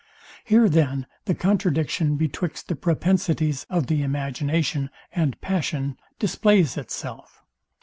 Here then the contradiction betwixt the propensities of the imagination and passion displays itself.